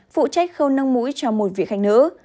phụ trách khâu nâng mũi cho một vị khanh nữ